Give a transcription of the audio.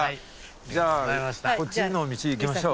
じゃあこっちの道行きましょう。